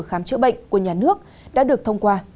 khám chữa bệnh của nhà nước đã được thông qua